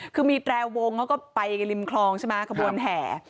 คือมีแตรวงเขาก็ไปริมคลองใช่ไหมขบวนแห่